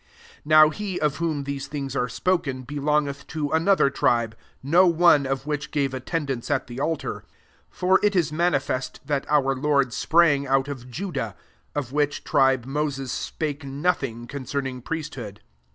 13 Now he of whom these things are spoken belongeth to another tribe, no one of which gave attendance at the altar. 14 For it is manifest that our Lord sprang out of Judah ; of which tribe Moses spake nothing con cerning priesthood.